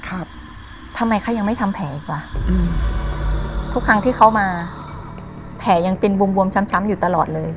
ทำไมเขายังไม่ทำแผลอีกวะอืมทุกครั้งที่เขามาแผลยังเป็นบวมบวมช้ำช้ำอยู่ตลอดเลย